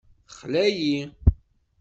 Texla-yi.